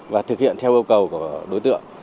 và thực hiện theo yêu cầu của đối tượng